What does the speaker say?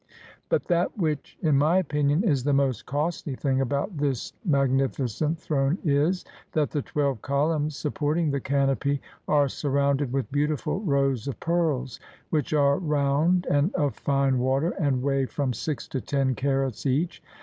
But that which in my opinion is the most costly thing about this magnificent throne is, that the twelve columns sup porting the canopy are surrounded with beautiful rows of pearls, which are round and of fine water, and weigh from six to ten carats each.